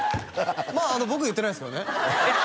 まあ僕言ってないですけどね